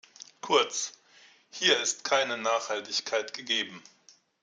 Kurz, hier ist keine Nachhaltigkeit gegeben.